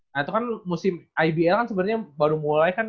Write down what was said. nah itu kan musim ibl kan sebenarnya baru mulai kan